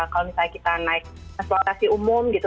kalau misalnya kita naik transportasi umum gitu